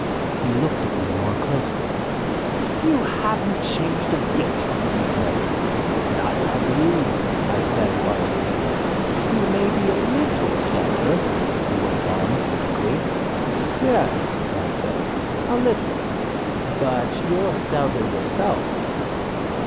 He looked at me more closely. "You haven't changed a bit," he said. "Neither have you," said I heartily. "You may be a little stouter," he went on critically. "Yes," I said, "a little; but you're stouter yourself."